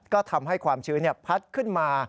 ก็ทำให้ความชื้นพัดขึ้นมา